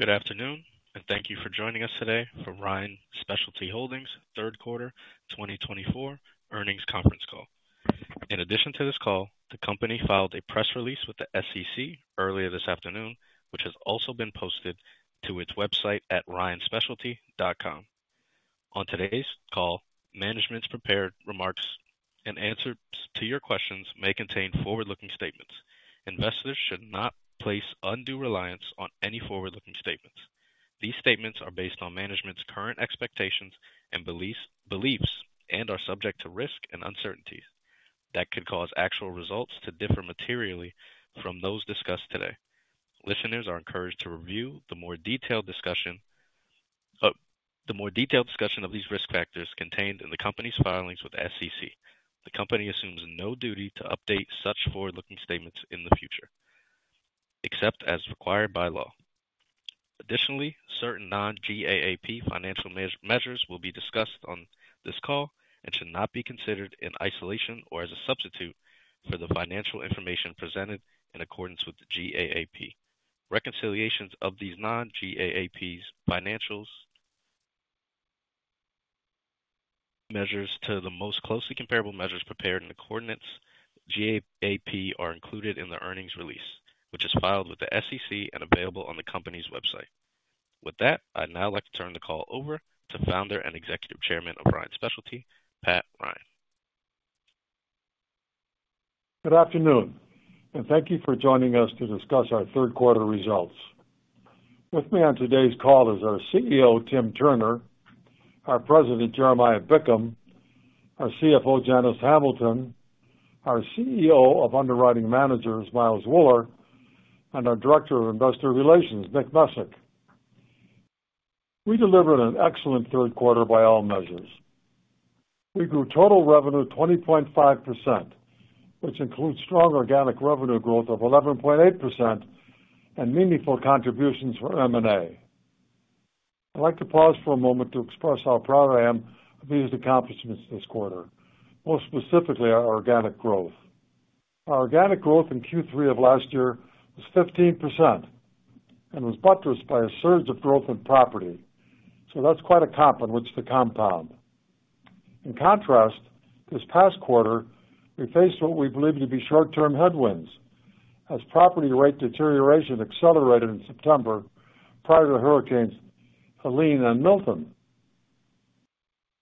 Good afternoon, and thank you for joining us today for Ryan Specialty Holdings' Third Quarter 2024 Earnings Conference Call. In addition to this call, the company filed a press release with the SEC earlier this afternoon, which has also been posted to its website at ryanspecialty.com. On today's call, management's prepared remarks and answers to your questions may contain forward-looking statements. Investors should not place undue reliance on any forward-looking statements. These statements are based on management's current expectations and beliefs and are subject to risk and uncertainties that could cause actual results to differ materially from those discussed today. Listeners are encouraged to review the more detailed discussion of these risk factors contained in the company's filings with the SEC. The company assumes no duty to update such forward-looking statements in the future, except as required by law. Additionally, certain non-GAAP financial measures will be discussed on this call and should not be considered in isolation or as a substitute for the financial information presented in accordance with the GAAP. Reconciliations of these non-GAAP financial measures to the most closely comparable measures prepared in accordance with GAAP are included in the earnings release, which is filed with the SEC and available on the company's website. With that, I'd now like to turn the call over to Founder and Executive Chairman of Ryan Specialty, Pat Ryan. Good afternoon, and thank you for joining us to discuss our third quarter results. With me on today's call is our CEO, Tim Turner, our President, Jeremiah Bickham, our CFO, Janice Hamilton, our CEO of Underwriting Managers, Miles Wuller, and our director of investor relations, Nick Masino. We delivered an excellent third quarter by all measures. We grew total revenue 20.5%, which includes strong organic revenue growth of 11.8% and meaningful contributions for M&A. I'd like to pause for a moment to express how proud I am of these accomplishments this quarter, most specifically our organic growth. Our organic growth in Q3 of last year was 15% and was buttressed by a surge of growth in property. So that's quite a comp on which to compound. In contrast, this past quarter, we faced what we believe to be short-term headwinds as property rate deterioration accelerated in September prior to Hurricanes Helene and Milton.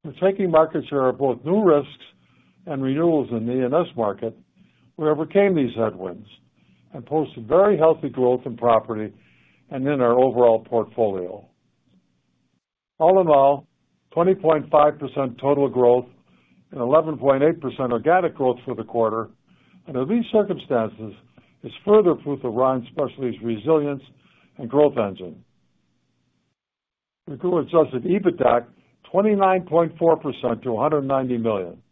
We're taking market share of both new risks and renewals in the E&S market. We overcame these headwinds and posted very healthy growth in property and in our overall portfolio. All in all, 20.5% total growth and 11.8% organic growth for the quarter. Under these circumstances, it's further proof of Ryan Specialty's resilience and growth engine. We grew Adjusted EBITDA 29.4% to $190 million.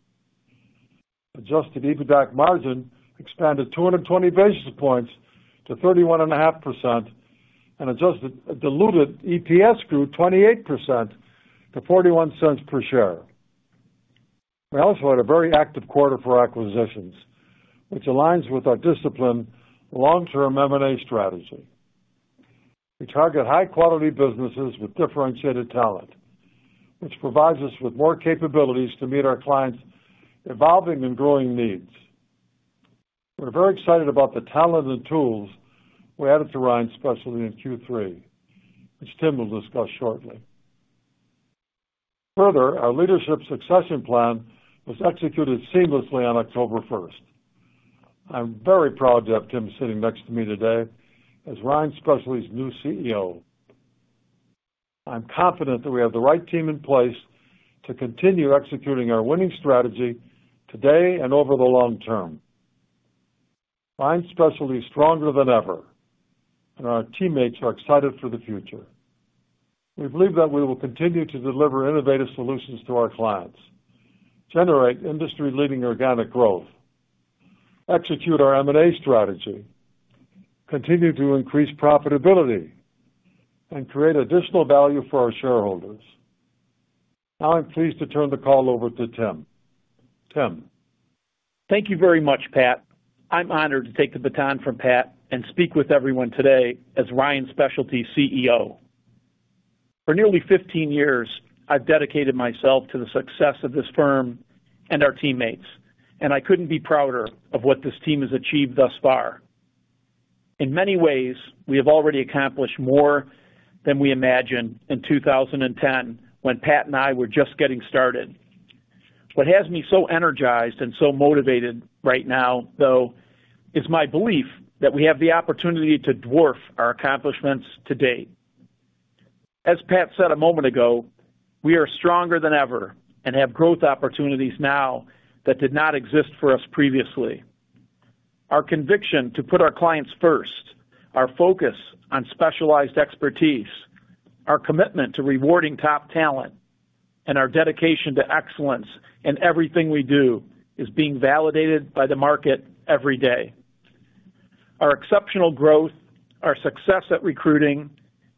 Adjusted EBITDA margin expanded 220 basis points to 31.5% and adjusted diluted EPS grew 28% to $0.41 per share. We also had a very active quarter for acquisitions, which aligns with our discipline, long-term M&A strategy. We target high-quality businesses with differentiated talent, which provides us with more capabilities to meet our clients' evolving and growing needs. We're very excited about the talent and tools we added to Ryan Specialty in Q3, which Tim will discuss shortly. Further, our leadership succession plan was executed seamlessly on October 1st. I'm very proud to have Tim sitting next to me today as Ryan Specialty's new CEO. I'm confident that we have the right team in place to continue executing our winning strategy today and over the long term. Ryan Specialty is stronger than ever, and our teammates are excited for the future. We believe that we will continue to deliver innovative solutions to our clients, generate industry-leading organic growth, execute our M&A strategy, continue to increase profitability, and create additional value for our shareholders. Now I'm pleased to turn the call over to Tim. Tim. Thank you very much, Pat. I'm honored to take the baton from Pat and speak with everyone today as Ryan Specialty's CEO. For nearly 15 years, I've dedicated myself to the success of this firm and our teammates, and I couldn't be prouder of what this team has achieved thus far. In many ways, we have already accomplished more than we imagined in 2010 when Pat and I were just getting started. What has me so energized and so motivated right now, though, is my belief that we have the opportunity to dwarf our accomplishments to date. As Pat said a moment ago, we are stronger than ever and have growth opportunities now that did not exist for us previously. Our conviction to put our clients first, our focus on specialized expertise, our commitment to rewarding top talent, and our dedication to excellence in everything we do is being validated by the market every day. Our exceptional growth, our success at recruiting,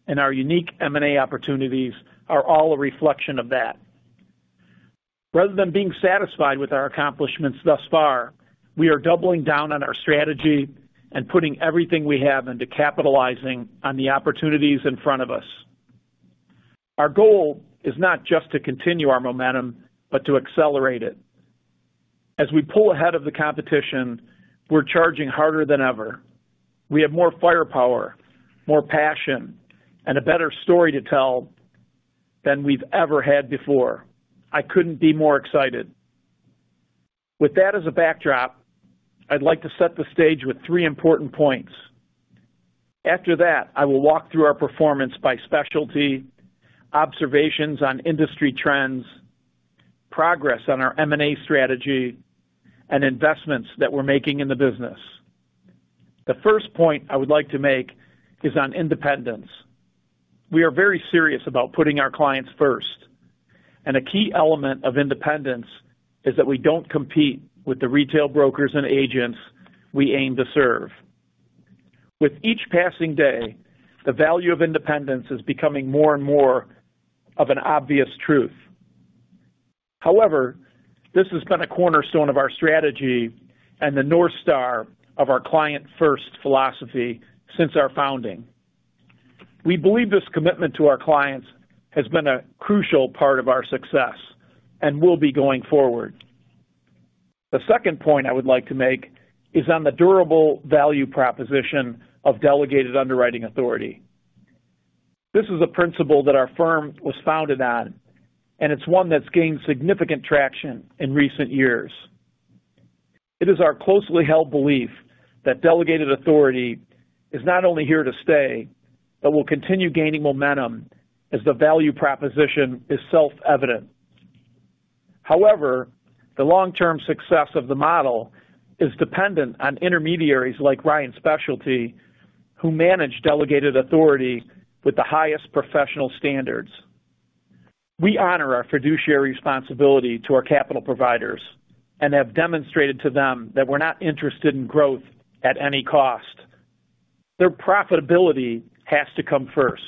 and our unique M&A opportunities are all a reflection of that. Rather than being satisfied with our accomplishments thus far, we are doubling down on our strategy and putting everything we have into capitalizing on the opportunities in front of us. Our goal is not just to continue our momentum, but to accelerate it. As we pull ahead of the competition, we're charging harder than ever. We have more firepower, more passion, and a better story to tell than we've ever had before. I couldn't be more excited. With that as a backdrop, I'd like to set the stage with three important points. After that, I will walk through our performance by specialty, observations on industry trends, progress on our M&A strategy, and investments that we're making in the business. The first point I would like to make is on independence. We are very serious about putting our clients first, and a key element of independence is that we don't compete with the retail brokers and agents we aim to serve. With each passing day, the value of independence is becoming more and more of an obvious truth. However, this has been a cornerstone of our strategy and the North Star of our client-first philosophy since our founding. We believe this commitment to our clients has been a crucial part of our success and will be going forward. The second point I would like to make is on the durable value proposition of delegated underwriting authority. This is a principle that our firm was founded on, and it's one that's gained significant traction in recent years. It is our closely held belief that delegated authority is not only here to stay but will continue gaining momentum as the value proposition is self-evident. However, the long-term success of the model is dependent on intermediaries like Ryan Specialty, who manage delegated authority with the highest professional standards. We honor our fiduciary responsibility to our capital providers and have demonstrated to them that we're not interested in growth at any cost. Their profitability has to come first.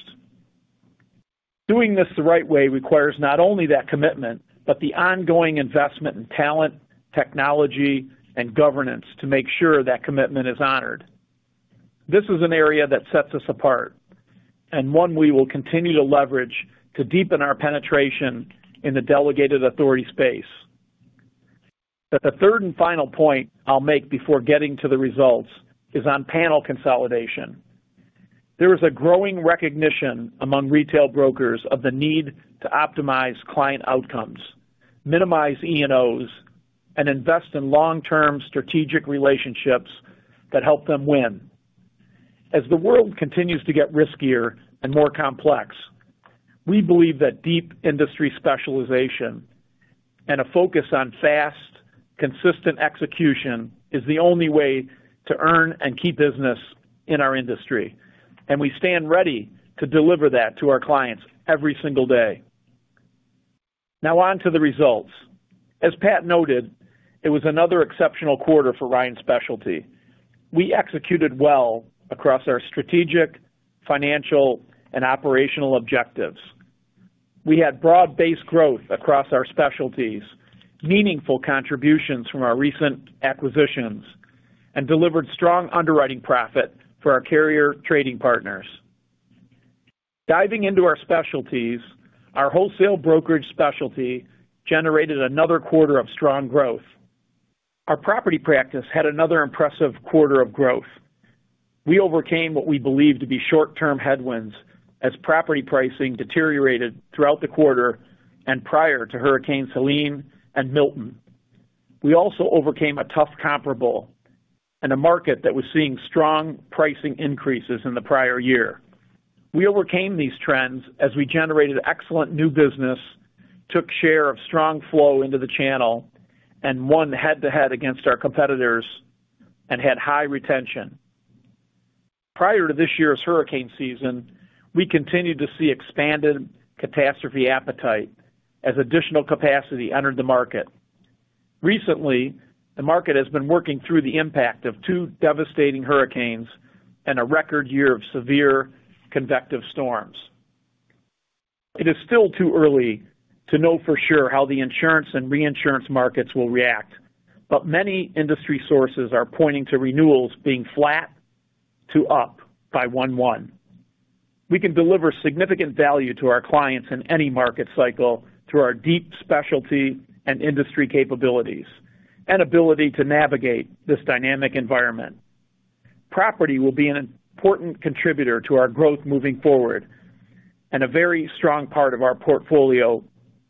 Doing this the right way requires not only that commitment but the ongoing investment in talent, technology, and governance to make sure that commitment is honored. This is an area that sets us apart and one we will continue to leverage to deepen our penetration in the delegated authority space. The third and final point I'll make before getting to the results is on panel consolidation. There is a growing recognition among retail brokers of the need to optimize client outcomes, minimize E&Os, and invest in long-term strategic relationships that help them win. As the world continues to get riskier and more complex, we believe that deep industry specialization and a focus on fast, consistent execution is the only way to earn and keep business in our industry, and we stand ready to deliver that to our clients every single day. Now on to the results. As Pat noted, it was another exceptional quarter for Ryan Specialty. We executed well across our strategic, financial, and operational objectives. We had broad base growth across our specialties, meaningful contributions from our recent acquisitions, and delivered strong underwriting profit for our carrier trading partners. Diving into our specialties, our wholesale brokerage specialty generated another quarter of strong growth. Our property practice had another impressive quarter of growth. We overcame what we believed to be short-term headwinds as property pricing deteriorated throughout the quarter and prior to Hurricanes Helene and Milton. We also overcame a tough comparable and a market that was seeing strong pricing increases in the prior year. We overcame these trends as we generated excellent new business, took share of strong flow into the channel, and won head-to-head against our competitors and had high retention. Prior to this year's hurricane season, we continued to see expanded catastrophe appetite as additional capacity entered the market. Recently, the market has been working through the impact of two devastating hurricanes and a record year of severe convective storms. It is still too early to know for sure how the insurance and reinsurance markets will react, but many industry sources are pointing to renewals being flat to up by 1-1. We can deliver significant value to our clients in any market cycle through our deep specialty and industry capabilities and ability to navigate this dynamic environment. Property will be an important contributor to our growth moving forward and a very strong part of our portfolio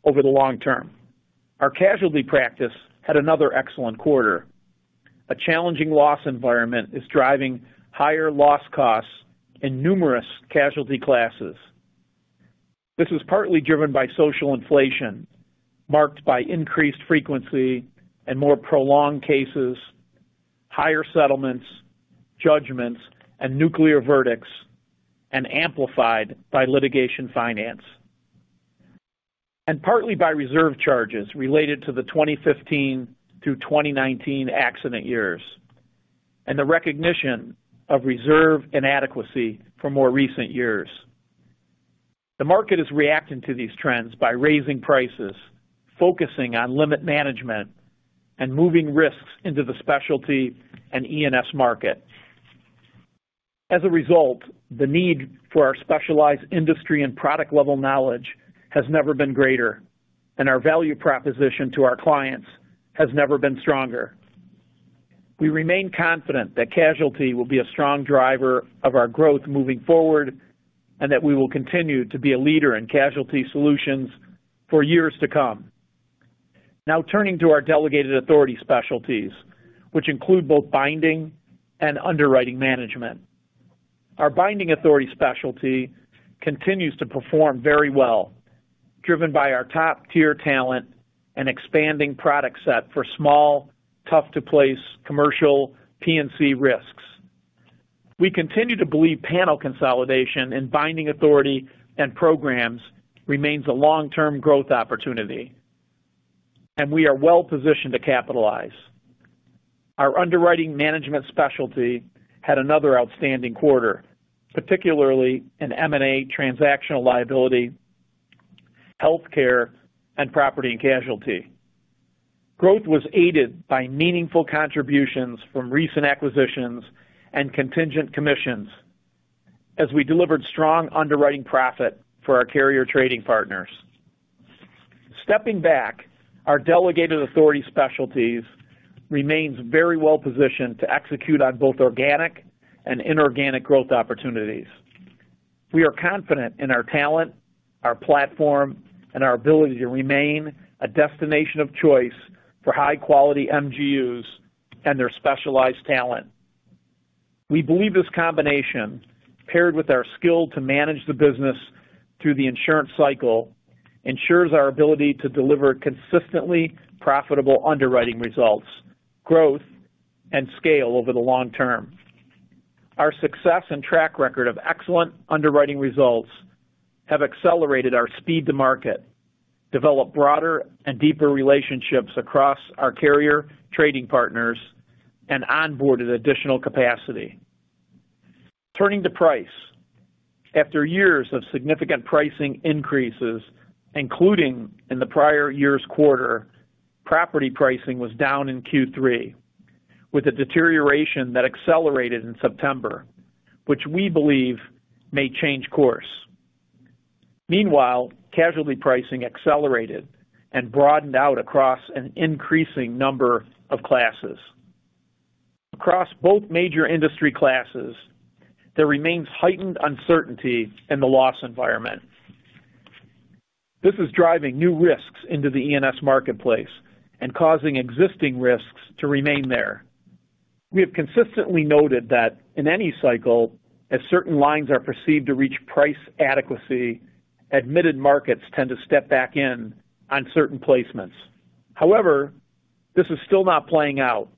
over the long term. Our casualty practice had another excellent quarter. A challenging loss environment is driving higher loss costs in numerous casualty classes. This is partly driven by social inflation marked by increased frequency and more prolonged cases, higher settlements, judgments, and nuclear verdicts, and amplified by litigation finance and partly by reserve charges related to the 2015 to 2019 accident years and the recognition of reserve inadequacy from more recent years. The market is reacting to these trends by raising prices, focusing on limit management, and moving risks into the specialty and E&S market. As a result, the need for our specialized industry and product-level knowledge has never been greater, and our value proposition to our clients has never been stronger. We remain confident that casualty will be a strong driver of our growth moving forward and that we will continue to be a leader in casualty solutions for years to come. Now turning to our delegated authority specialties, which include both binding and underwriting management. Our binding authority specialty continues to perform very well, driven by our top-tier talent and expanding product set for small, tough-to-place commercial P&C risks. We continue to believe panel consolidation in binding authority and programs remains a long-term growth opportunity, and we are well-positioned to capitalize. Our underwriting management specialty had another outstanding quarter, particularly in M&A transactional liability, healthcare, and property and casualty. Growth was aided by meaningful contributions from recent acquisitions and contingent commissions as we delivered strong underwriting profit for our carrier trading partners. Stepping back, our delegated authority specialties remain very well-positioned to execute on both organic and inorganic growth opportunities. We are confident in our talent, our platform, and our ability to remain a destination of choice for high-quality MGUs and their specialized talent. We believe this combination, paired with our skill to manage the business through the insurance cycle, ensures our ability to deliver consistently profitable underwriting results, growth, and scale over the long term. Our success and track record of excellent underwriting results have accelerated our speed to market, developed broader and deeper relationships across our carrier trading partners, and onboarded additional capacity. Turning to price, after years of significant pricing increases, including in the prior year's quarter, property pricing was down in Q3 with a deterioration that accelerated in September, which we believe may change course. Meanwhile, casualty pricing accelerated and broadened out across an increasing number of classes. Across both major industry classes, there remains heightened uncertainty in the loss environment. This is driving new risks into the E&S marketplace and causing existing risks to remain there. We have consistently noted that in any cycle, as certain lines are perceived to reach price adequacy, admitted markets tend to step back in on certain placements. However, this is still not playing out,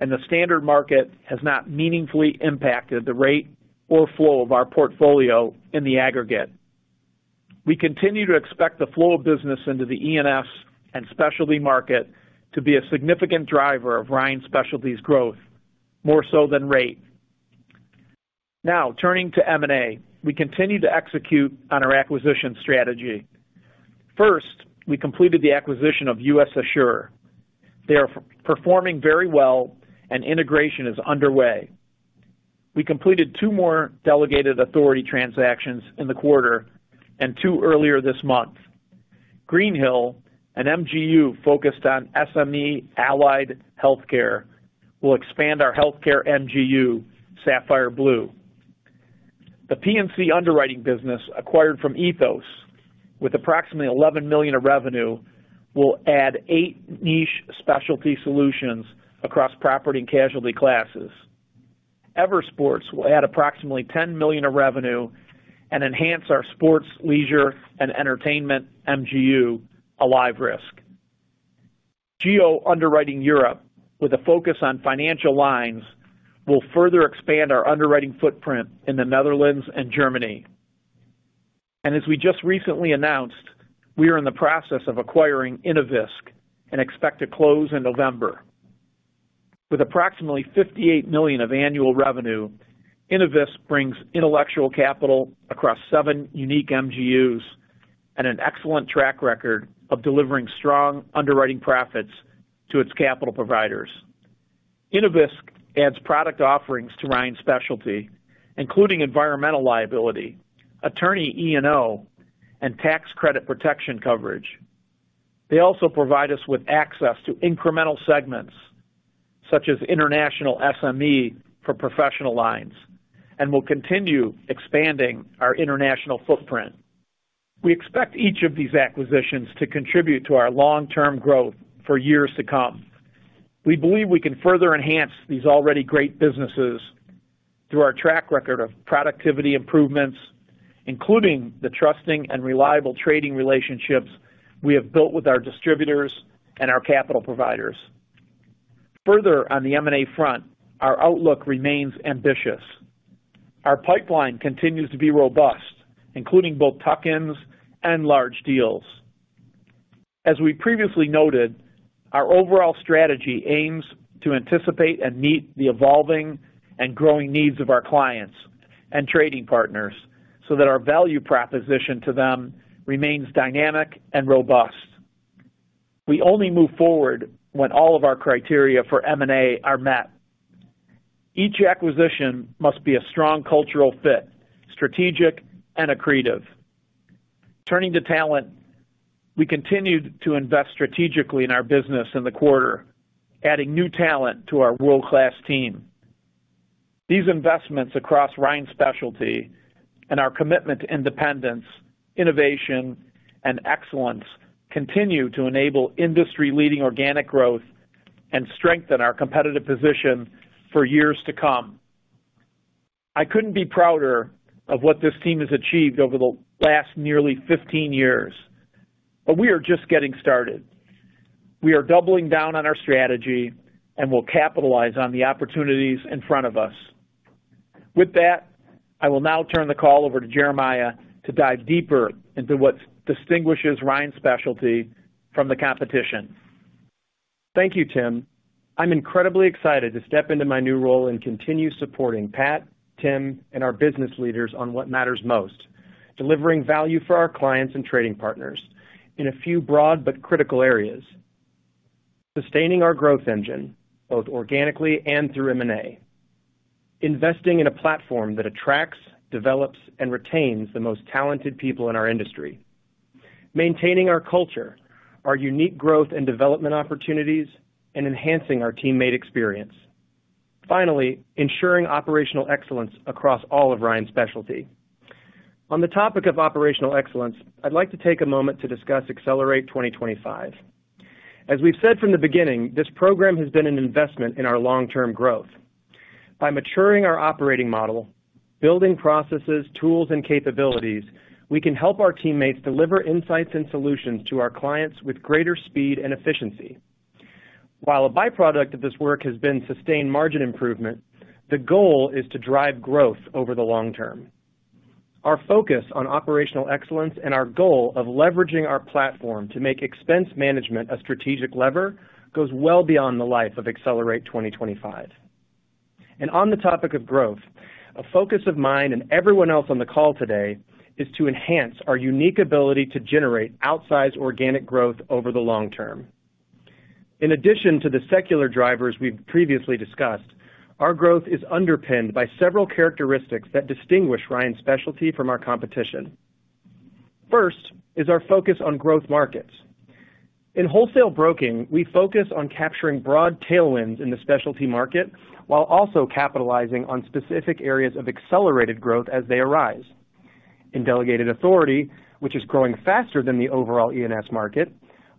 and the standard market has not meaningfully impacted the rate or flow of our portfolio in the aggregate. We continue to expect the flow of business into the E&S and specialty market to be a significant driver of Ryan Specialty's growth, more so than rate. Now turning to M&A, we continue to execute on our acquisition strategy. First, we completed the acquisition of US Assure. They are performing very well, and integration is underway. We completed two more delegated authority transactions in the quarter and two earlier this month. Greenhill, an MGU focused on SME allied healthcare, will expand our healthcare MGU, Sapphire Blue. The P&C underwriting business acquired from Ethos with approximately $11 million of revenue will add eight niche specialty solutions across property and casualty classes. EverSports will add approximately $10 million of revenue and enhance our sports, leisure, and entertainment MGU, Alive Risk. Geo Underwriting Europe, with a focus on financial lines, will further expand our underwriting footprint in the Netherlands and Germany. As we just recently announced, we are in the process of acquiring Innovisk and expect to close in November. With approximately $58 million of annual revenue, Innovisk brings intellectual capital across seven unique MGUs and an excellent track record of delivering strong underwriting profits to its capital providers. Innovisk adds product offerings to Ryan Specialty, including environmental liability, attorney E&O, and tax credit protection coverage. They also provide us with access to incremental segments such as international SME for professional lines and will continue expanding our international footprint. We expect each of these acquisitions to contribute to our long-term growth for years to come. We believe we can further enhance these already great businesses through our track record of productivity improvements, including the trusting and reliable trading relationships we have built with our distributors and our capital providers. Further, on the M&A front, our outlook remains ambitious. Our pipeline continues to be robust, including both tuck-ins and large deals. As we previously noted, our overall strategy aims to anticipate and meet the evolving and growing needs of our clients and trading partners so that our value proposition to them remains dynamic and robust. We only move forward when all of our criteria for M&A are met. Each acquisition must be a strong cultural fit, strategic, and accretive. Turning to talent, we continue to invest strategically in our business in the quarter, adding new talent to our world-class team. These investments across Ryan Specialty and our commitment to independence, innovation, and excellence continue to enable industry-leading organic growth and strengthen our competitive position for years to come. I couldn't be prouder of what this team has achieved over the last nearly 15 years, but we are just getting started. We are doubling down on our strategy and will capitalize on the opportunities in front of us. With that, I will now turn the call over to Jeremiah to dive deeper into what distinguishes Ryan Specialty from the competition. Thank you, Tim. I'm incredibly excited to step into my new role and continue supporting Pat, Tim, and our business leaders on what matters most: delivering value for our clients and trading partners in a few broad but critical areas, sustaining our growth engine both organically and through M&A, investing in a platform that attracts, develops, and retains the most talented people in our industry, maintaining our culture, our unique growth and development opportunities, and enhancing our teammate experience. Finally, ensuring operational excellence across all of Ryan Specialty. On the topic of operational excellence, I'd like to take a moment to discuss Accelerate 2025. As we've said from the beginning, this program has been an investment in our long-term growth. By maturing our operating model, building processes, tools, and capabilities, we can help our teammates deliver insights and solutions to our clients with greater speed and efficiency. While a byproduct of this work has been sustained margin improvement, the goal is to drive growth over the long term. Our focus on operational excellence and our goal of leveraging our platform to make expense management a strategic lever goes well beyond the life of Accelerate 2025. And on the topic of growth, a focus of mine and everyone else on the call today is to enhance our unique ability to generate outsized organic growth over the long term. In addition to the secular drivers we've previously discussed, our growth is underpinned by several characteristics that distinguish Ryan Specialty from our competition. First is our focus on growth markets. In wholesale broking, we focus on capturing broad tailwinds in the specialty market while also capitalizing on specific areas of accelerated growth as they arise. In delegated authority, which is growing faster than the overall E&S market,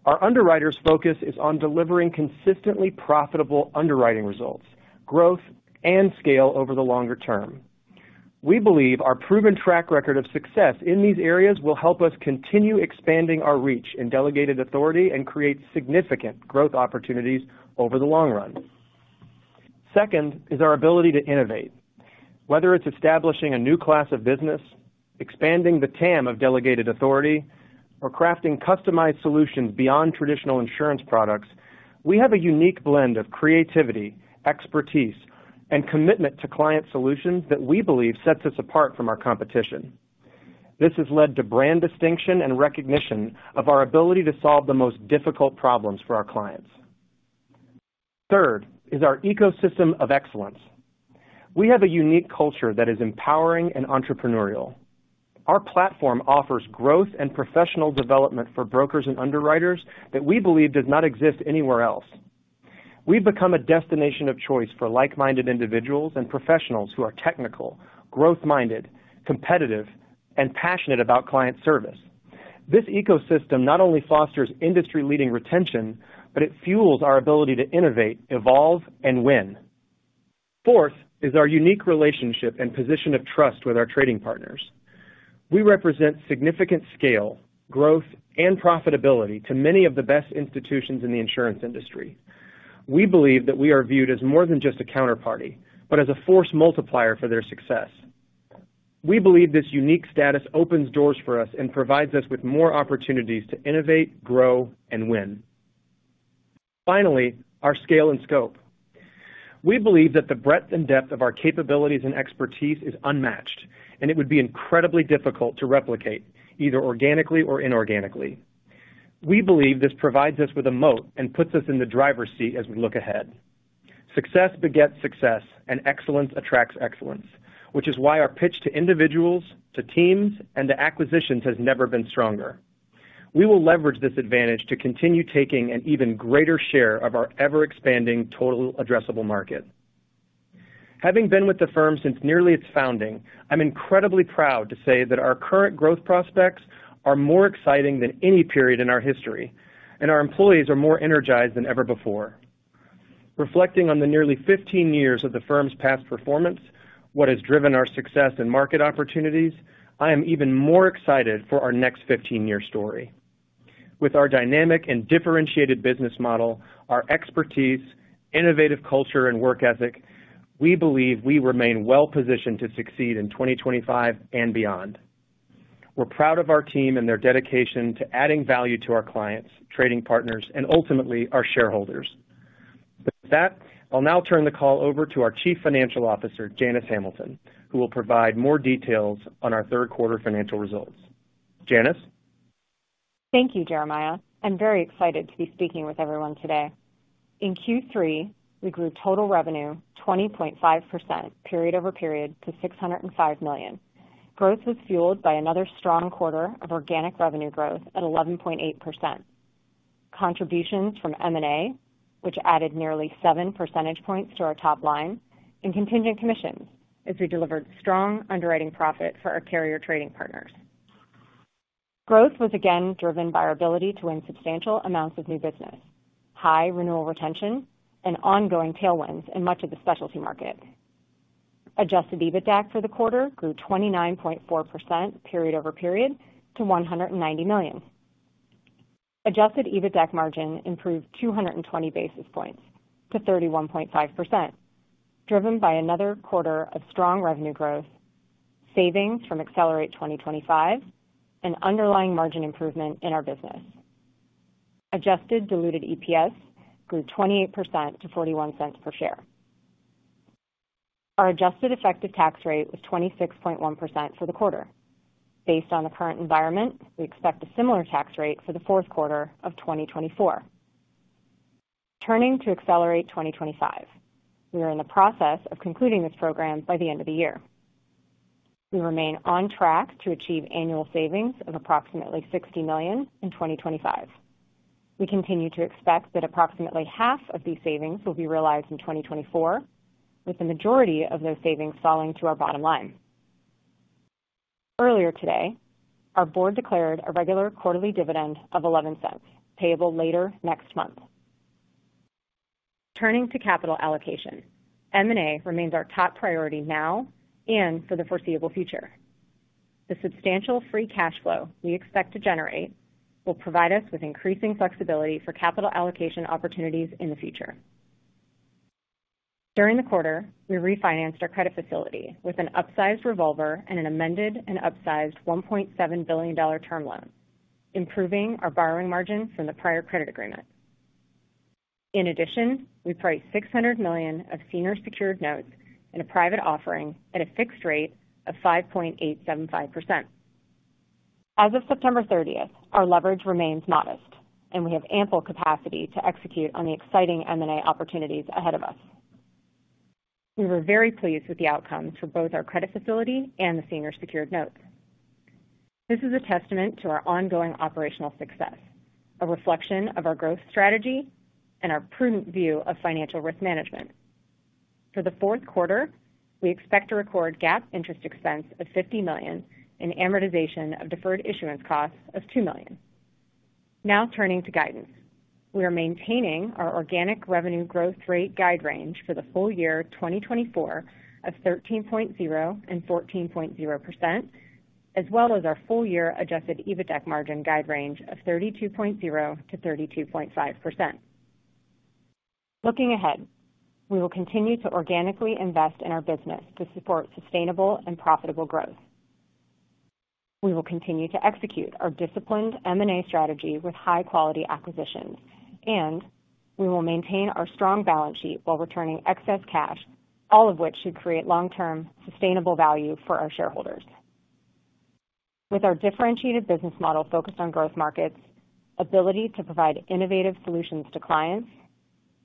our underwriters' focus is on delivering consistently profitable underwriting results, growth, and scale over the longer term. We believe our proven track record of success in these areas will help us continue expanding our reach in delegated authority and create significant growth opportunities over the long run. Second is our ability to innovate. Whether it's establishing a new class of business, expanding the TAM of delegated authority, or crafting customized solutions beyond traditional insurance products, we have a unique blend of creativity, expertise, and commitment to client solutions that we believe sets us apart from our competition. This has led to brand distinction and recognition of our ability to solve the most difficult problems for our clients. Third is our ecosystem of excellence. We have a unique culture that is empowering and entrepreneurial. Our platform offers growth and professional development for brokers and underwriters that we believe does not exist anywhere else. We've become a destination of choice for like-minded individuals and professionals who are technical, growth-minded, competitive, and passionate about client service. This ecosystem not only fosters industry-leading retention, but it fuels our ability to innovate, evolve, and win. Fourth is our unique relationship and position of trust with our trading partners. We represent significant scale, growth, and profitability to many of the best institutions in the insurance industry. We believe that we are viewed as more than just a counterparty, but as a force multiplier for their success. We believe this unique status opens doors for us and provides us with more opportunities to innovate, grow, and win. Finally, our scale and scope. We believe that the breadth and depth of our capabilities and expertise is unmatched, and it would be incredibly difficult to replicate either organically or inorganically. We believe this provides us with a moat and puts us in the driver's seat as we look ahead. Success begets success, and excellence attracts excellence, which is why our pitch to individuals, to teams, and to acquisitions has never been stronger. We will leverage this advantage to continue taking an even greater share of our ever-expanding total addressable market. Having been with the firm since nearly its founding, I'm incredibly proud to say that our current growth prospects are more exciting than any period in our history, and our employees are more energized than ever before. Reflecting on the nearly 15 years of the firm's past performance, what has driven our success and market opportunities, I am even more excited for our next 15-year story. With our dynamic and differentiated business model, our expertise, innovative culture, and work ethic, we believe we remain well-positioned to succeed in 2025 and beyond. We're proud of our team and their dedication to adding value to our clients, trading partners, and ultimately our shareholders. With that, I'll now turn the call over to our Chief Financial Officer, Janice Hamilton, who will provide more details on our third quarter financial results. Janice? Thank you, Jeremiah. I'm very excited to be speaking with everyone today. In Q3, we grew total revenue 20.5% period over period to $605 million. Growth was fueled by another strong quarter of organic revenue growth at 11.8%. Contributions from M&A, which added nearly seven percentage points to our top line, and contingent commissions as we delivered strong underwriting profit for our carrier trading partners. Growth was again driven by our ability to win substantial amounts of new business, high renewal retention, and ongoing tailwinds in much of the specialty market. Adjusted EBITDA for the quarter grew 29.4% period over period to $190 million. Adjusted EBITDA margin improved 220 basis points to 31.5%, driven by another quarter of strong revenue growth, savings from Accelerate 2025, and underlying margin improvement in our business. Adjusted diluted EPS grew 28% to $0.41 per share. Our adjusted effective tax rate was 26.1% for the quarter. Based on the current environment, we expect a similar tax rate for the fourth quarter of 2024. Turning to Accelerate 2025, we are in the process of concluding this program by the end of the year. We remain on track to achieve annual savings of approximately $60 million in 2025. We continue to expect that approximately half of these savings will be realized in 2024, with the majority of those savings falling to our bottom line. Earlier today, our board declared a regular quarterly dividend of $0.11, payable later next month. Turning to capital allocation, M&A remains our top priority now and for the foreseeable future. The substantial free cash flow we expect to generate will provide us with increasing flexibility for capital allocation opportunities in the future. During the quarter, we refinanced our credit facility with an upsized revolver and an amended and upsized $1.7 billion term loan, improving our borrowing margin from the prior credit agreement. In addition, we priced $600 million of senior secured notes in a private offering at a fixed rate of 5.875%. As of September 30th, our leverage remains modest, and we have ample capacity to execute on the exciting M&A opportunities ahead of us. We were very pleased with the outcomes for both our credit facility and the senior secured notes. This is a testament to our ongoing operational success, a reflection of our growth strategy, and our prudent view of financial risk management. For the fourth quarter, we expect to record GAAP interest expense of $50 million and amortization of deferred issuance costs of $2 million. Now turning to guidance, we are maintaining our organic revenue growth rate guide range for the full year 2024 of 13.0% and 14.0%, as well as our full year Adjusted EBITDA margin guide range of 32.0%-32.5%. Looking ahead, we will continue to organically invest in our business to support sustainable and profitable growth. We will continue to execute our disciplined M&A strategy with high-quality acquisitions, and we will maintain our strong balance sheet while returning excess cash, all of which should create long-term sustainable value for our shareholders. With our differentiated business model focused on growth markets, ability to provide innovative solutions to clients,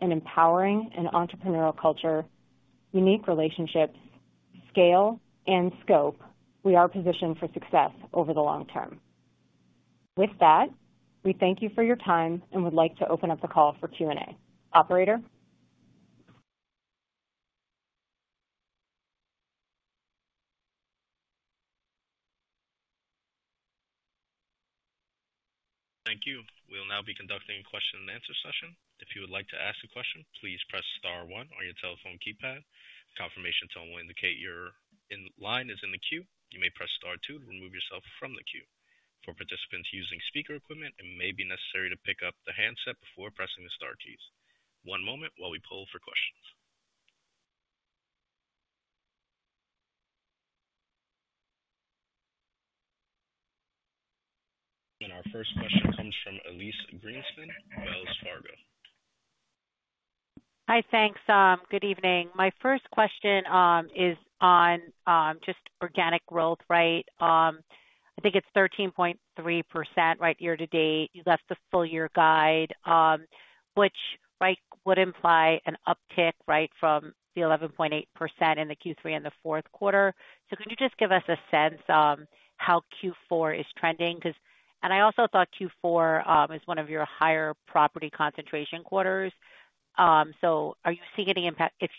and empowering an entrepreneurial culture, unique relationships, scale, and scope, we are positioned for success over the long term. With that, we thank you for your time and would like to open up the call for Q&A. Operator? Thank you. We'll now be conducting a question-and-answer session. If you would like to ask a question, please press star one on your telephone keypad. Confirmation tone will indicate your line is in the queue. You may press star two to remove yourself from the queue. For participants using speaker equipment, it may be necessary to pick up the handset before pressing the star keys. One moment while we pull for questions. Our first question comes from Elyse Greenspan, Wells Fargo. Hi, thanks. Good evening. My first question is on just organic growth, right? I think it's 13.3%, right, year to date. You left the full year guide, which, right, would imply an uptick, right, from the 11.8% in the Q3 and the fourth quarter. So could you just give us a sense how Q4 is trending? Because I also thought Q4 is one of your higher property concentration quarters. So are you seeing any impact? If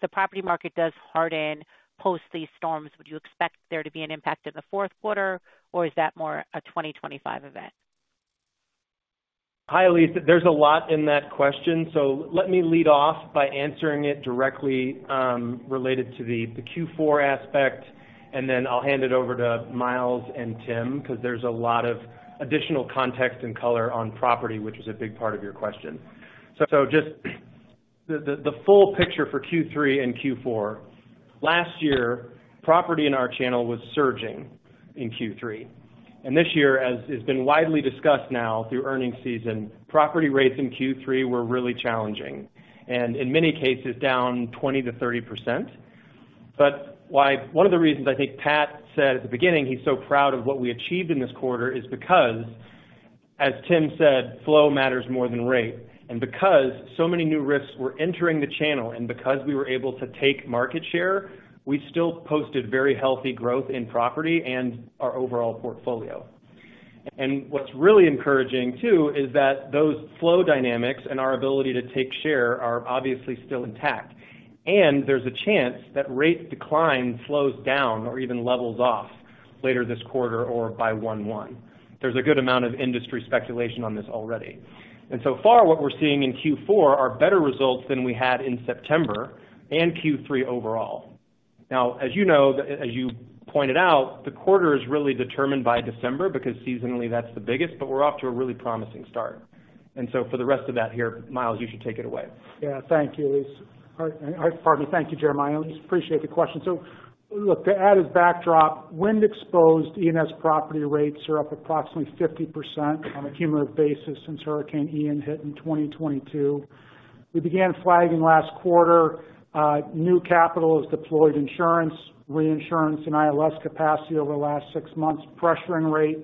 the property market does harden post these storms, would you expect there to be an impact in the fourth quarter, or is that more a 2025 event? Hi, Elyse. There's a lot in that question. Let me lead off by answering it directly related to the Q4 aspect, and then I'll hand it over to Miles and Tim because there's a lot of additional context and color on property, which was a big part of your question. Just the full picture for Q3 and Q4. Last year, property in our channel was surging in Q3. This year, as has been widely discussed now through earnings season, property rates in Q3 were really challenging and in many cases down 20%-30%. One of the reasons I think Pat said at the beginning he's so proud of what we achieved in this quarter is because, as Tim said, flow matters more than rate. And because so many new risks were entering the channel and because we were able to take market share, we still posted very healthy growth in property and our overall portfolio. And what's really encouraging too is that those flow dynamics and our ability to take share are obviously still intact. And there's a chance that rate decline slows down or even levels off later this quarter or by 1-1. There's a good amount of industry speculation on this already. And so far, what we're seeing in Q4 are better results than we had in September and Q3 overall. Now, as you know, as you pointed out, the quarter is really determined by December because seasonally that's the biggest, but we're off to a really promising start. And so for the rest of that here, Miles, you should take it away. Yeah, thank you, Elyse. Pardon me. Thank you, Jeremiah. I appreciate the question. So look, to add a backdrop, wind-exposed E&S property rates are up approximately 50% on a cumulative basis since Hurricane Ian hit in 2022. We began flagging last quarter. New capital has deployed insurance, reinsurance, and ILS capacity over the last six months, pressuring rate.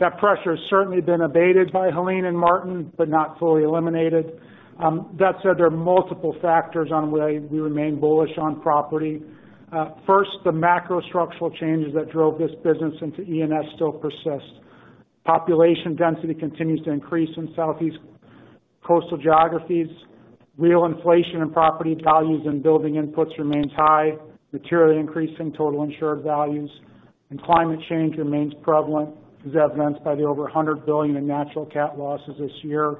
That pressure has certainly been abated by Helene and Milton, but not fully eliminated. That said, there are multiple factors on why we remain bullish on property. First, the macro-structural changes that drove this business into E&S still persist. Population density continues to increase in Southeast coastal geographies. Real inflation in property values and building inputs remains high, materially increasing total insured values, and climate change remains prevalent, as evidenced by the over $100 billion in natural cat losses this year.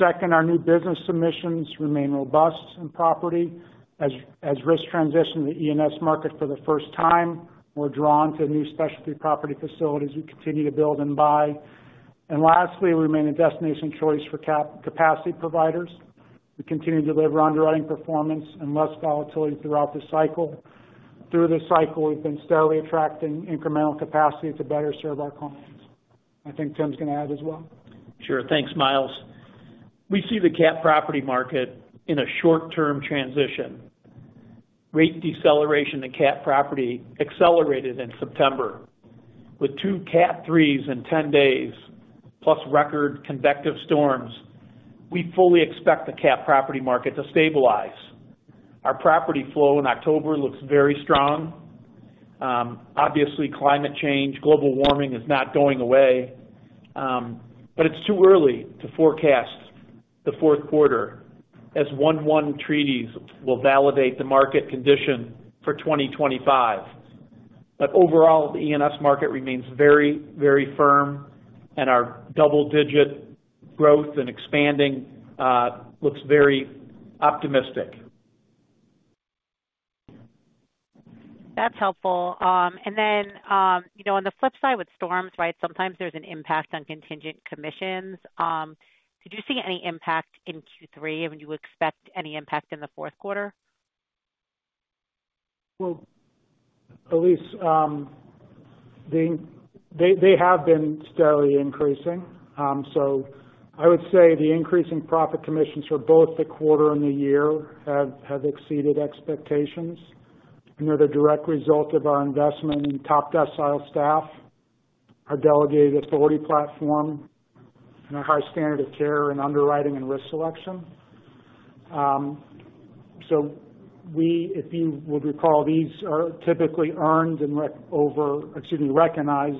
Second, our new business submissions remain robust in property. As risk transitioned to the E&S market for the first time, we're drawn to new specialty property facilities we continue to build and buy. And lastly, we remain a destination choice for capacity providers. We continue to deliver underwriting performance and less volatility throughout the cycle. Through the cycle, we've been steadily attracting incremental capacity to better serve our clients. I think Tim's going to add as well. Sure. Thanks, Miles. We see the cat property market in a short-term transition. Rate deceleration in cat property accelerated in September. With two Cat 3s in 10 days, plus record convective storms, we fully expect the cat property market to stabilize. Our property flow in October looks very strong. Obviously, climate change, global warming is not going away. But it's too early to forecast the fourth quarter as 1-1 treaties will validate the market condition for 2025. Overall, the E&S market remains very, very firm, and our double-digit growth and expansion looks very optimistic. That's helpful. Then on the flip side with storms, right, sometimes there's an impact on contingent commissions. Did you see any impact in Q3, and would you expect any impact in the fourth quarter? Elyse, they have been steadily increasing. I would say the increasing profit commissions for both the quarter and the year have exceeded expectations. And they're the direct result of our investment in top-decile staff, our delegated authority platform, and our high standard of care in underwriting and risk selection. If you would recall, these are typically earned and recognized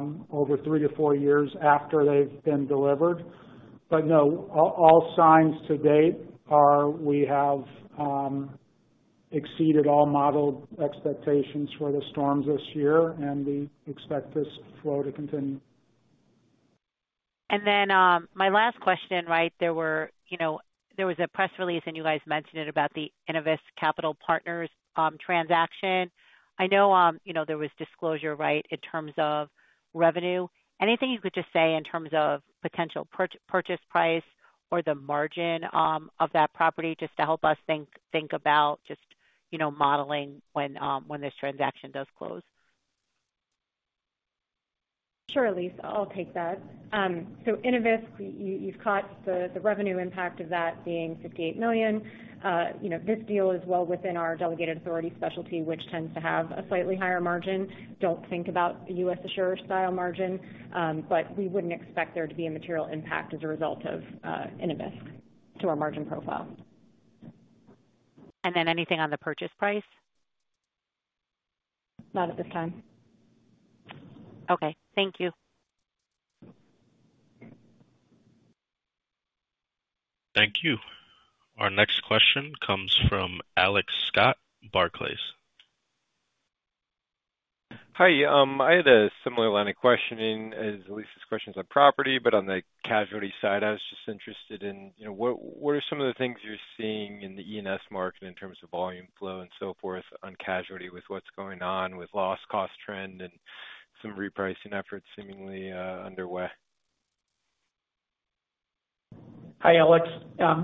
over three to four years after they've been delivered. No, all signs to date are we have exceeded all modeled expectations for the storms this year and we expect this flow to continue. And then my last question, right? There was a press release and you guys mentioned it about the Innovisk Capital Partners transaction. I know there was disclosure, right, in terms of revenue. Anything you could just say in terms of potential purchase price or the margin of that property just to help us think about just modeling when this transaction does close? Sure, Elyse. I'll take that. So Innovisk, you've caught the revenue impact of that being $58 million. This deal is well within our delegated authority specialty, which tends to have a slightly higher margin. Don't think about a US Assure style margin, but we wouldn't expect there to be a material impact as a result of Innovisk to our margin profile. And then anything on the purchase price? Not at this time. Okay. Thank you. Thank you. Our next question comes from Alex Scott, Barclays. Hi. I had a similar line of questioning as Elyse's questions on property, but on the casualty side, I was just interested in what are some of the things you're seeing in the E&S market in terms of volume flow and so forth on casualty with what's going on with loss cost trend and some repricing efforts seemingly underway? Hi, Alex.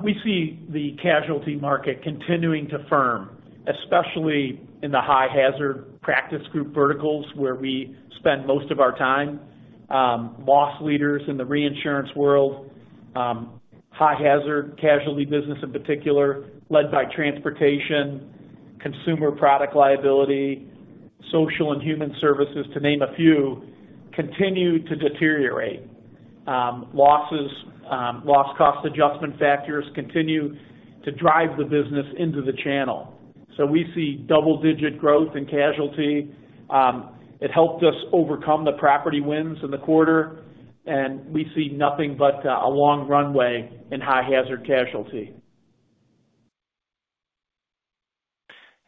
We see the casualty market continuing to firm, especially in the high-hazard practice group verticals where we spend most of our time. Loss leaders in the reinsurance world, high-hazard casualty business in particular, led by transportation, consumer product liability, social and human services, to name a few, continue to deteriorate. Loss cost adjustment factors continue to drive the business into the channel. So we see double-digit growth in casualty. It helped us overcome the property wins in the quarter, and we see nothing but a long runway in high-hazard casualty.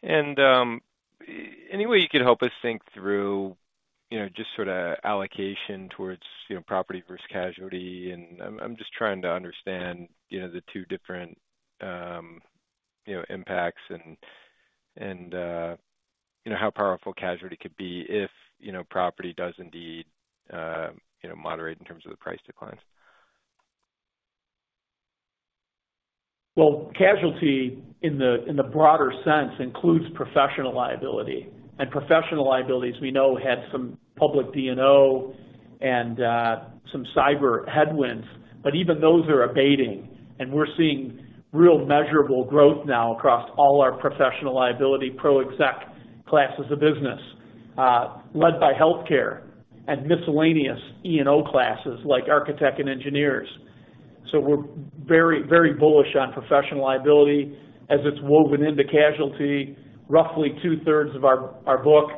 And any way you could help us think through just sort of allocation towards property versus casualty? And I'm just trying to understand the two different impacts and how powerful casualty could be if property does indeed moderate in terms of the price declines. Well, casualty in the broader sense includes professional liability. And professional liabilities, we know, had some public D&O and some cyber headwinds, but even those are abating. And we're seeing real measurable growth now across all our professional liability ProExec classes of business, led by healthcare and miscellaneous E&O classes like architect and engineers. So we're very, very bullish on professional liability as it's woven into casualty. Roughly 2/3 of our book.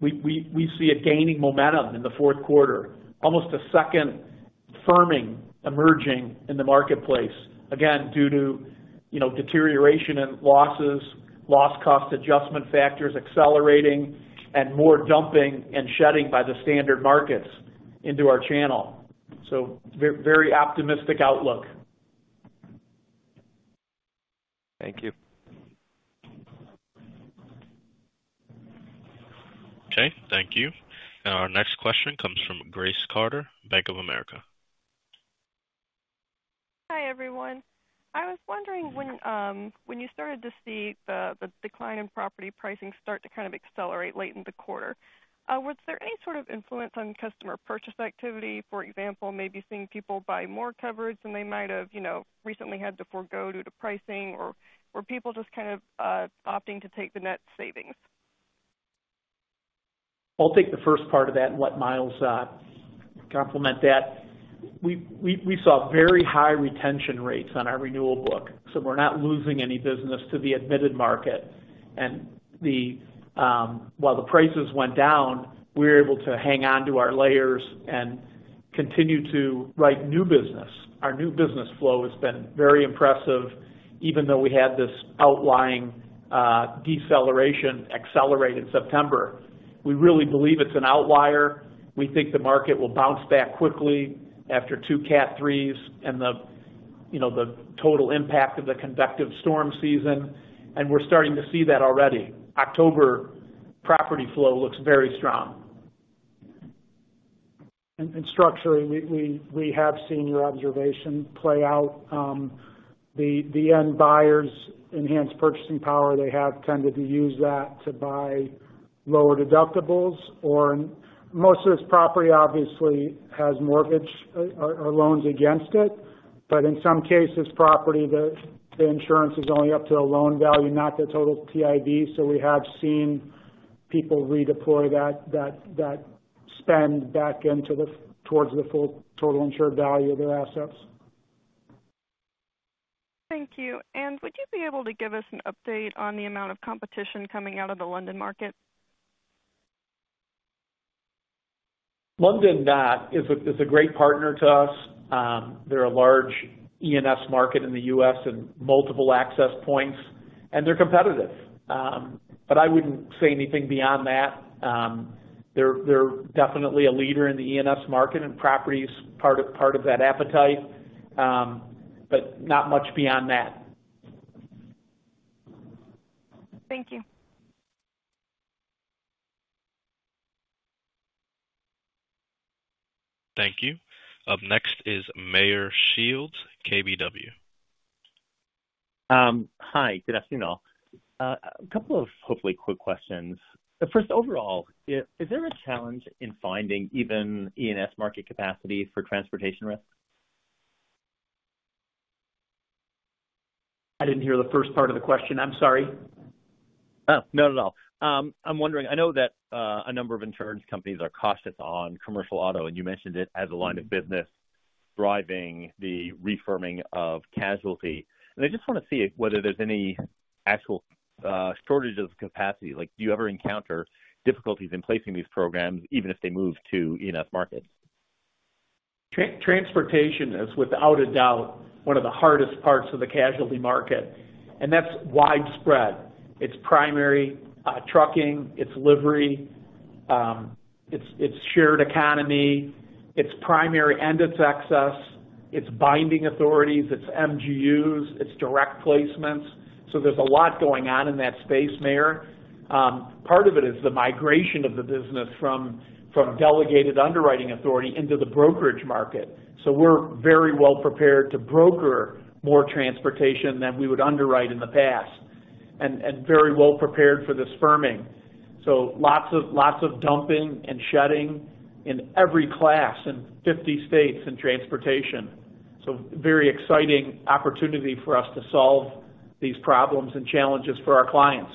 We see a gaining momentum in the fourth quarter, almost a second firming emerging in the marketplace, again, due to deterioration in losses, loss cost adjustment factors accelerating, and more dumping and shedding by the standard markets into our channel. So very optimistic outlook. Thank you. Okay. Thank you. And our next question comes from Grace Carter, Bank of America. Hi, everyone. I was wondering when you started to see the decline in property pricing start to kind of accelerate late in the quarter, was there any sort of influence on customer purchase activity, for example, maybe seeing people buy more coverage than they might have recently had to forgo due to pricing, or were people just kind of opting to take the net savings? I'll take the first part of that and let Miles supplement that. We saw very high retention rates on our renewal book, so we're not losing any business to the admitted market. While the prices went down, we were able to hang on to our layers and continue to write new business. Our new business flow has been very impressive. Even though we had this outlier deceleration accelerate in September, we really believe it's an outlier. We think the market will bounce back quickly after two Cat 3s and the total impact of the convective storm season. We're starting to see that already. October property flow looks very strong. Structurally, we have seen your observation play out. The end buyers' enhanced purchasing power, they have tended to use that to buy lower deductibles. Most of this property obviously has mortgage or loans against it, but in some cases, the insurance is only up to a loan value, not the total TIV. So we have seen people redeploy that spend back towards the full total insured value of their assets. Thank you. And would you be able to give us an update on the amount of competition coming out of the London market? London is a great partner to us. They're a large E&S market in the U.S. and multiple access points, and they're competitive. But I wouldn't say anything beyond that. They're definitely a leader in the E&S market and property's part of that appetite, but not much beyond that. Thank you. Thank you. Up next is Meyer Shields, KBW. Hi. Good afternoon. A couple of hopefully quick questions. First, overall, is there a challenge in finding even E&S market capacity for transportation risk? I didn't hear the first part of the question. I'm sorry. Oh, not at all. I'm wondering. I know that a number of insurance companies are cautious on commercial auto, and you mentioned it as a line of business driving the refirming of casualty. And I just want to see whether there's any actual shortage of capacity. Do you ever encounter difficulties in placing these programs, even if they move to E&S markets? Transportation is, without a doubt, one of the hardest parts of the casualty market. And that's widespread. It's primary trucking. It's livery. It's shared economy. It's primary and excess. It's binding authorities. It's MGUs. It's direct placements. So there's a lot going on in that space, Meyer. Part of it is the migration of the business from delegated underwriting authority into the brokerage market. So we're very well prepared to broker more transportation than we would underwrite in the past and very well prepared for this firming. So lots of dumping and shedding in every class in 50 states in transportation. So very exciting opportunity for us to solve these problems and challenges for our clients.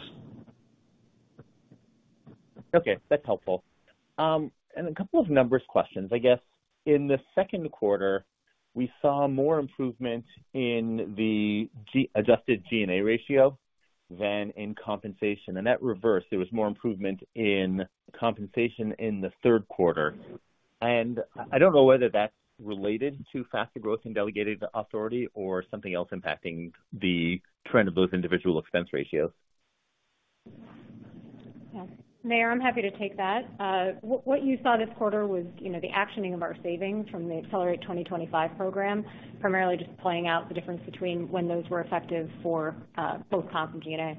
Okay. That's helpful. And a couple of numbers questions. I guess in the second quarter, we saw more improvement in the adjusted G&A ratio than in compensation. And that reversed. There was more improvement in compensation in the third quarter. And I don't know whether that's related to faster growth in delegated authority or something else impacting the trend of those individual expense ratios. Meyer, I'm happy to take that. What you saw this quarter was the actioning of our savings from the Accelerate 2025 program, primarily just playing out the difference between when those were effective for both comp and G&A.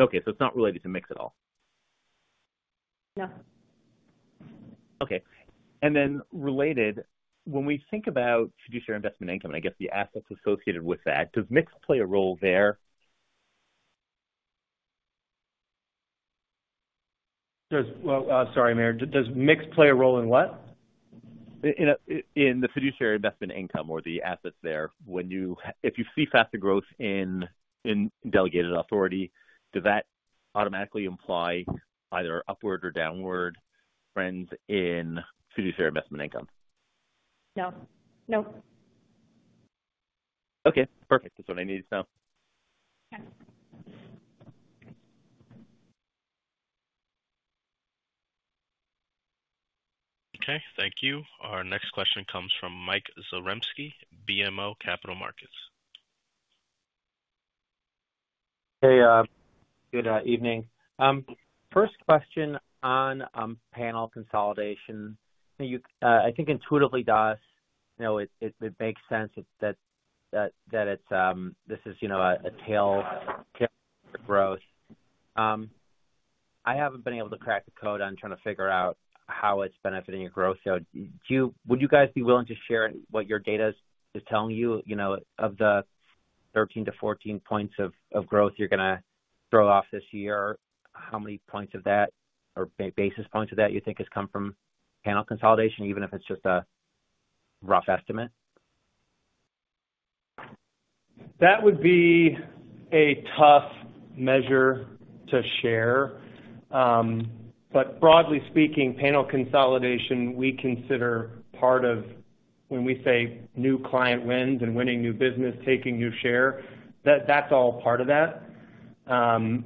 Okay. So it's not related to MIX at all? No. Okay. And then related, when we think about fiduciary investment income and I guess the assets associated with that, does MIX play a role there? Well, sorry, Meyer, does MIX play a role in what? In the fiduciary investment income or the assets there. If you see faster growth in delegated authority, does that automatically imply either upward or downward trends in fiduciary investment income? No. No. Okay. Perfect. That's all I needed to know. Okay. Okay. Thank you. Our next question comes from Mike Zaremski, BMO Capital Markets. Hey. Good evening. First question on panel consolidation. I think intuitively to us, it makes sense that this is a tail growth. I haven't been able to crack the code on trying to figure out how it's benefiting your growth. So would you guys be willing to share what your data is telling you of the 13-14 points of growth you're going to throw off this year? How many points of that or basis points of that you think has come from panel consolidation, even if it's just a rough estimate? That would be a tough measure to share. But broadly speaking, panel consolidation, we consider part of when we say new client wins and winning new business, taking new share, that's all part of that. And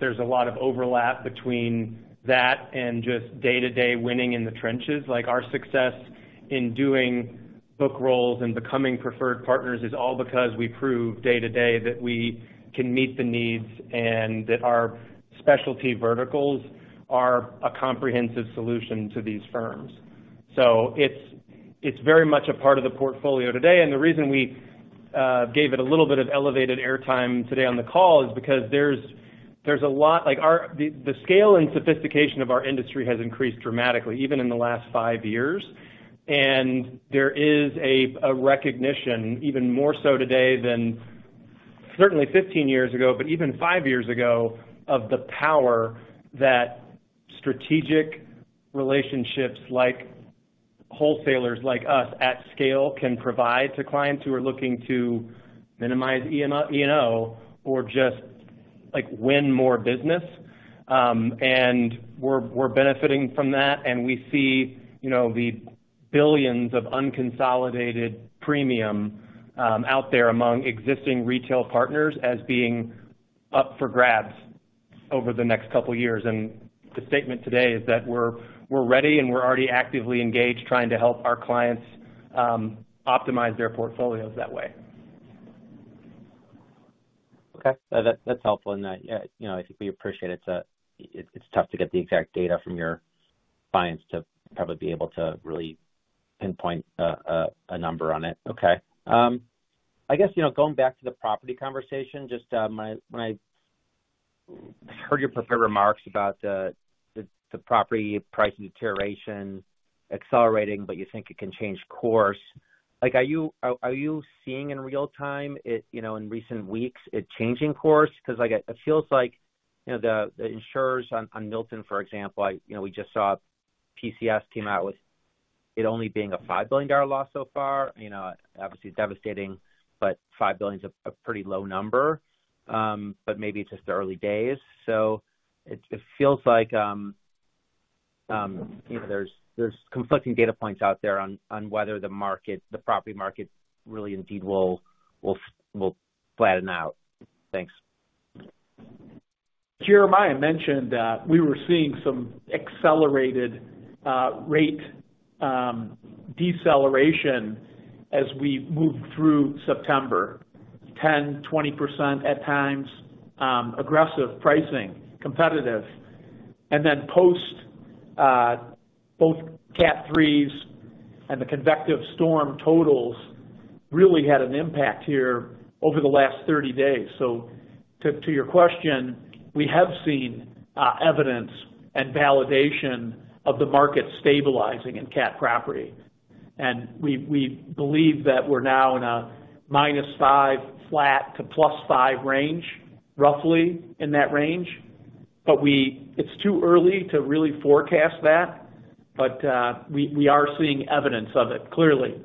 there's a lot of overlap between that and just day-to-day winning in the trenches. Our success in doing book rolls and becoming preferred partners is all because we prove day-to-day that we can meet the needs and that our specialty verticals are a comprehensive solution to these firms, so it's very much a part of the portfolio today, and the reason we gave it a little bit of elevated airtime today on the call is because there's a lot, the scale and sophistication of our industry has increased dramatically, even in the last five years, and there is a recognition, even more so today than certainly 15 years ago, but even five years ago, of the power that strategic relationships like wholesalers like us at scale can provide to clients who are looking to minimize E&O or just win more business, and we're benefiting from that. We see the billions of unconsolidated premium out there among existing retail partners as being up for grabs over the next couple of years. The statement today is that we're ready, and we're already actively engaged trying to help our clients optimize their portfolios that way. Okay. That's helpful. I think we appreciate it. It's tough to get the exact data from your clients to probably be able to really pinpoint a number on it. Okay. I guess going back to the property conversation, just when I heard your prepared remarks about the property price deterioration accelerating, but you think it can change course, are you seeing in real time, in recent weeks, it changing course? Because it feels like the insurers on Milton, for example, we just saw PCS came out with it only being a $5 billion loss so far. Obviously, it's devastating, but $5 billion is a pretty low number. But maybe it's just the early days. So it feels like there's conflicting data points out there on whether the property market really indeed will flatten out. Thanks. Jeremiah mentioned that we were seeing some accelerated rate deceleration as we moved through September, 10%, 20% at times, aggressive pricing, competitive. And then post both Cat 3s and the convective storm totals really had an impact here over the last 30 days. So to your question, we have seen evidence and validation of the market stabilizing in cat property. And we believe that we're now in a -5% flat to +5% range, roughly in that range. But it's too early to really forecast that. But we are seeing evidence of it clearly.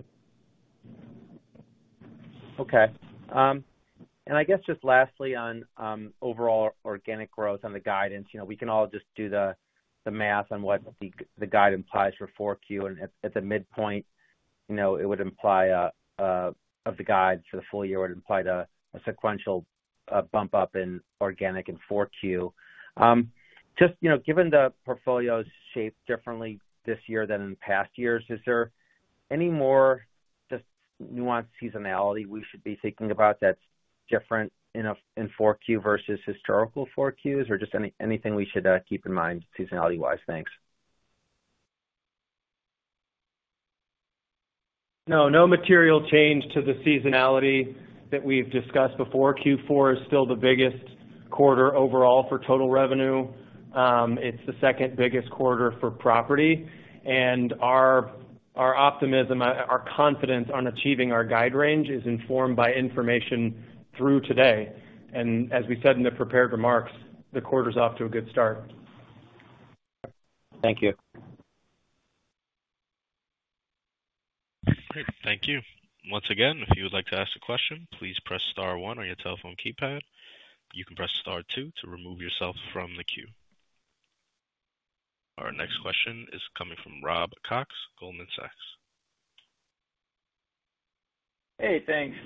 Okay. I guess just lastly on overall organic growth on the guidance, we can all just do the math on what the guide implies for 4Q. And at the midpoint, it would imply of the guide for the full year would imply a sequential bump up in organic in 4Q. Just given the portfolio's shape differently this year than in past years, is there any more just nuanced seasonality we should be thinking about that's different in 4Q versus historical 4Qs, or just anything we should keep in mind seasonality-wise? Thanks. No, no material change to the seasonality that we've discussed before. Q4 is still the biggest quarter overall for total revenue. It's the second biggest quarter for property. And our optimism, our confidence on achieving our guide range is informed by information through today. And as we said in the prepared remarks, the quarter's off to a good start. Thank you. Okay. Thank you. Once again, if you would like to ask a question, please press star one on your telephone keypad. You can press star two to remove yourself from the queue. Our next question is coming from Rob Cox, Goldman Sachs. Hey. Thanks.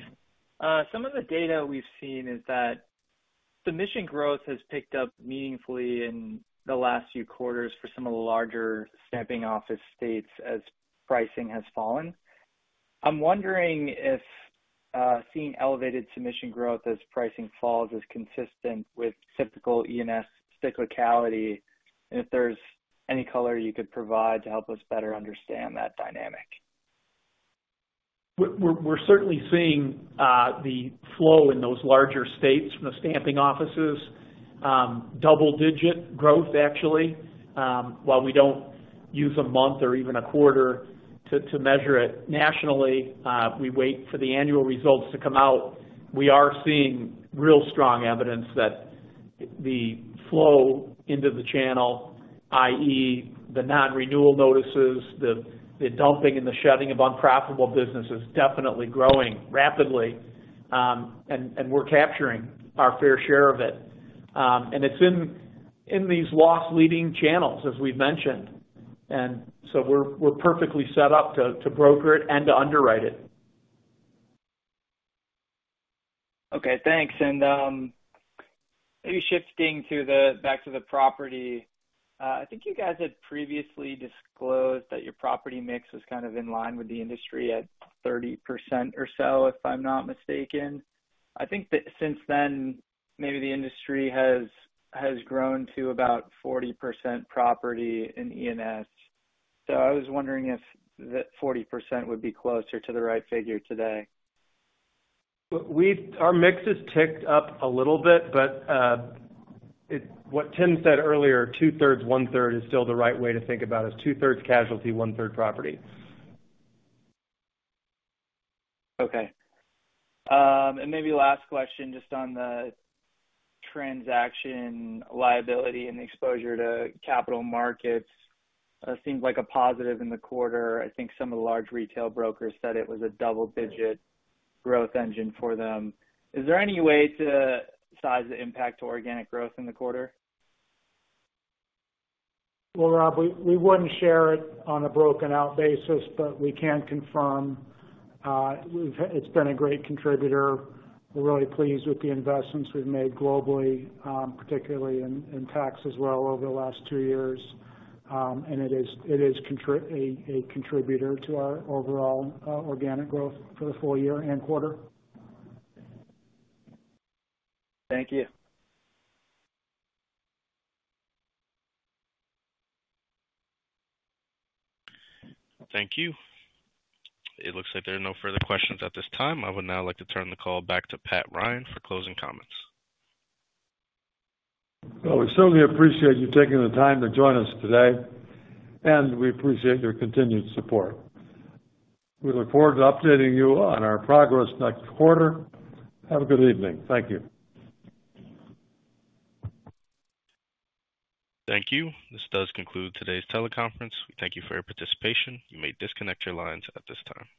Some of the data we've seen is that submission growth has picked up meaningfully in the last few quarters for some of the larger stamping office states as pricing has fallen. I'm wondering if seeing elevated submission growth as pricing falls is consistent with typical E&S cyclicality, and if there's any color you could provide to help us better understand that dynamic. We're certainly seeing the flow in those larger states from the stamping offices, double-digit growth, actually. While we don't use a month or even a quarter to measure it nationally, we wait for the annual results to come out. We are seeing real strong evidence that the flow into the channel, i.e., the non-renewal notices, the dumping and the shedding of unprofitable business is definitely growing rapidly. And we're capturing our fair share of it. And it's in these loss-leading channels, as we've mentioned. And so we're perfectly set up to broker it and to underwrite it. Okay. Thanks. And maybe shifting back to the property, I think you guys had previously disclosed that your property mix was kind of in line with the industry at 30% or so, if I'm not mistaken. I think that since then, maybe the industry has grown to about 40% property in E&S. So I was wondering if that 40% would be closer to the right figure today. Our mix has ticked up a little bit, but what Tim said earlier, 2/3, one-third is still the right way to think about it. It's 2/3 casualty, one-third property. Okay. And maybe last question just on the transaction liability and exposure to capital markets. It seems like a positive in the quarter. I think some of the large retail brokers said it was a double-digit growth engine for them. Is there any way to size the impact to organic growth in the quarter? Well, Rob, we wouldn't share it on a broken-out basis, but we can confirm it's been a great contributor. We're really pleased with the investments we've made globally, particularly in Asia as well over the last two years. And it is a contributor to our overall organic growth for the full year and quarter. Thank you. Thank you. It looks like there are no further questions at this time. I would now like to turn the call back to Pat Ryan for closing comments. We certainly appreciate you taking the time to join us today. We appreciate your continued support. We look forward to updating you on our progress next quarter. Have a good evening. Thank you. Thank you. This does conclude today's teleconference. We thank you for your participation. You may disconnect your lines at this time.